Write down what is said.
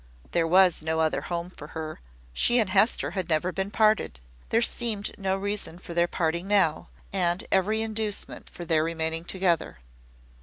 There was no other home for her; she and Hester had never been parted; there seemed no reason for their parting now, and every inducement for their remaining together.